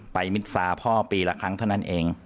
ไปมิตรศาสตร์พ่อปีละครั้งเท่านั้นเอง